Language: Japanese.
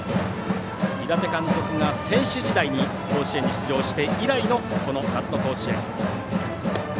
井達監督が選手時代に甲子園に出場して以来のこの夏の甲子園。